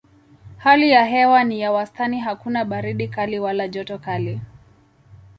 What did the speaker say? Hali ya hewa ni ya wastani hakuna baridi kali wala joto kali.